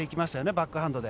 バックハンドで。